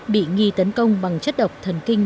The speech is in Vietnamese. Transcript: bị nghi tấn công bằng chất độc thần kinh